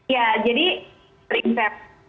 ya jadi periksa